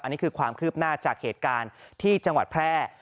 อันนี้คือความคืบหน้าจากเหตุการณ์ที่จังหวัดแพร่